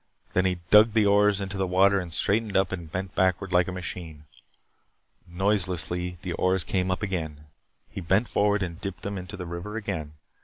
Then he dug the oars into the water and straightened up and bent backward like a machine. Noiselessly the oars came up again. He bent forward and dipped them into the river again.